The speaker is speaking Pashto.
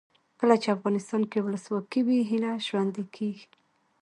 کله چې افغانستان کې ولسواکي وي هیلې ژوندۍ کیږي.